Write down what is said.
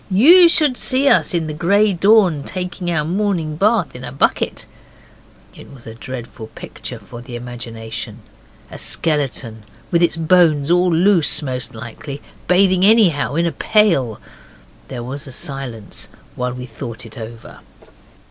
You should see us in the grey dawn taking our morning bath in a bucket.' It was a dreadful picture for the imagination. A skeleton, with its bones all loose most likely, bathing anyhow in a pail. There was a silence while we thought it over.